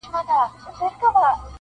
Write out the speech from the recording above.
نندارې ته د څپو او د موجونو-